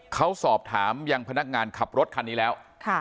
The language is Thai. เขาสอบถามยังพนักงานขับรถคันนี้แล้ว